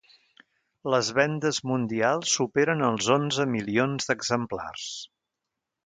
Les vendes mundials superen els onze milions d'exemplars.